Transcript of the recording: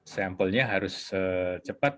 sampelnya harus cepat